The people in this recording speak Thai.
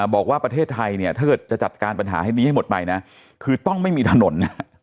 บอกว่าประเทศไทยเนี่ยถ้าเกิดจะจัดการปัญหาให้นี้ให้หมดไปนะคือต้องไม่มีถนน